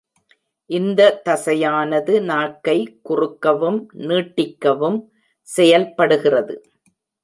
இந்த தசையானது நாக்கை குறுக்கவும் நீட்டிக்கவும் செயல்படுகிறது.